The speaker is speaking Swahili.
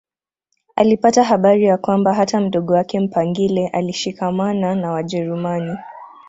Alipata habari ya kwamba hata mdogo wake Mpangile alishikamana na Wajerumani